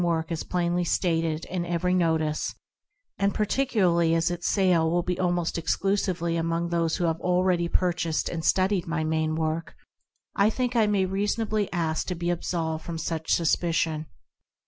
work is plainly stated in every notice — and particu larly as its sale will be almost exclusively among those who have already purchased and studied my main work — I think I may reasonably ask to be absolved from such suspicion.